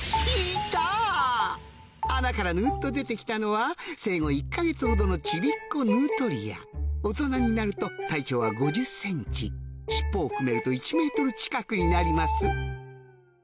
穴からぬっと出て来たのは生後１か月ほどのちびっ子ヌートリア大人になると体長は５０ｃｍ尻尾を含めると１ｍ近くになります